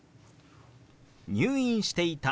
「入院していた」。